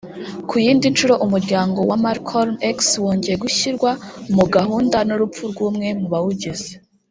Ku yindi nshuro umuryango wa Malcolm X wongeye gushyirwa mu gahunda n’urupfu rw’umwe mu bawugize